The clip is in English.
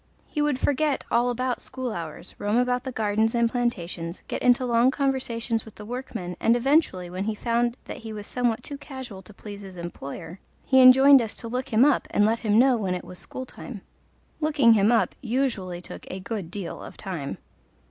He would forget all about school hours, roam about the gardens and plantations, get into long conversations with the workmen, and eventually, when he found that he was somewhat too casual to please his employer, he enjoined us to "look him up" and let him know when it was school time. Looking him up usually took a good deal of time.